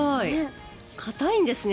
硬いんですね。